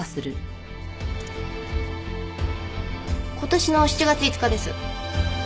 今年の７月５日です。